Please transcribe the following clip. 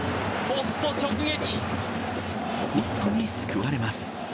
ポストに救われます。